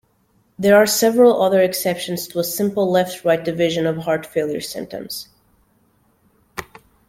There are several other exceptions to a simple left-right division of heart failure symptoms.